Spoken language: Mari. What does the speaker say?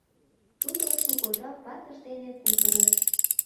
Тудо шуко жап ватыж дене кутырыш.